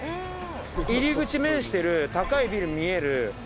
入り口面してる高いビル見える。